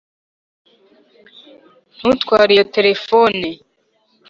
ntutware iyo terefone.